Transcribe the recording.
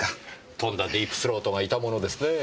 とんだディープ・スロートがいたものですねぇ。